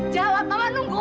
jawab mama nunggu